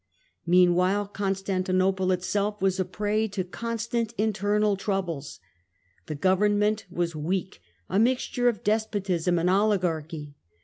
Meanwhile Constantinople it Turks ggj£ ^,g^g g^ prey to constant internal troubles. The govern ment was weak, a mixture of despotism and oligarchy.